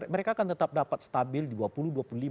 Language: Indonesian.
mereka akan tetap dapat stabil di dua puluh dua puluh lima